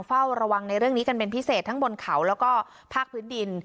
เฝ้าระวังในเรื่องนี้กันเป็นพิเศษทั้งบนเขาแล้วก็ภาคพื้นดิน